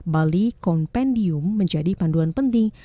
balik kompendium menjadi panduan penting